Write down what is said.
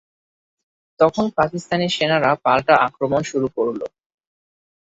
তখন পাকিস্তানি সেনারা পাল্টা আক্রমণ শুরু করল।